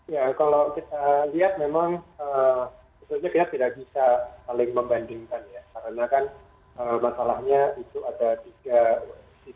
ya kalau kita lihat memang kita tidak bisa paling membandingkan ya